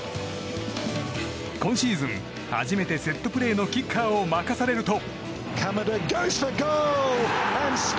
今シーズン、初めてセットプレーのキッカーを任されると。